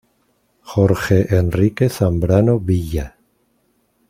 Jorge Enrique Zambrano Villa.